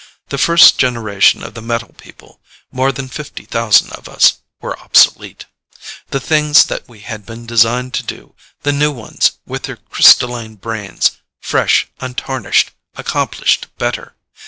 The first generation of the metal people more than fifty thousand of us were obsolete. The things that we had been designed to do, the new ones, with their crystalline brains, fresh, untarnished, accomplished better.